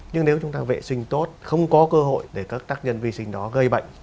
nhưng nếu chúng ta vệ sinh tốt không có cơ hội để các tác nhân vi sinh đó gây bệnh